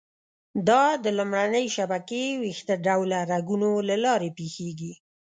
دا د لومړنۍ شبکې ویښته ډوله رګونو له لارې پېښېږي.